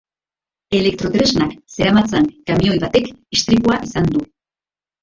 Elektrotresnak zeramatzan kamioi batek istripua izan du.